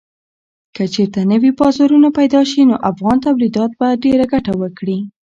که چېرې نوي بازارونه پېدا شي نو افغان تولیدات به ډېره ګټه وکړي.